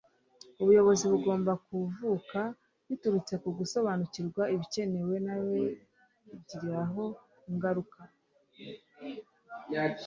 ubuyobozi bugomba kuvuka biturutse ku gusobanukirwa ibikenewe n'ababigiraho ingaruka. - marian anderson